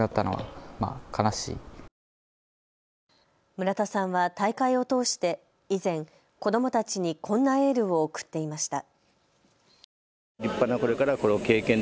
村田さんは大会を通して以前、子どもたちにこんなエールを送っていました。